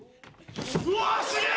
うわすげぇ！